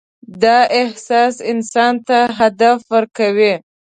دا احساس انسان ته هدف ورکوي.